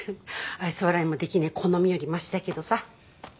愛想笑いもできないこのみよりましだけどさ。